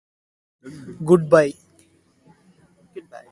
goodbye